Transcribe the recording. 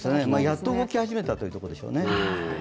やっと動き始めたというところでしょうね。